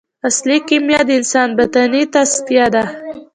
اصلي کیمیا د انسان باطني تصفیه ده.